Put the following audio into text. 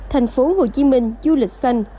tp hcm du lịch xanh